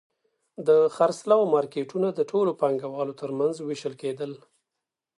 د خرڅلاو مارکېټونه د ټولو پانګوالو ترمنځ وېشل کېدل